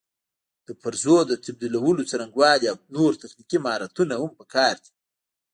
د پرزو د تبدیلولو څرنګوالي او نور تخنیکي مهارتونه هم پکار دي.